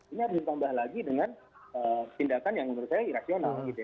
ini harus ditambah lagi dengan tindakan yang menurut saya irasional gitu ya